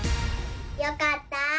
よかった！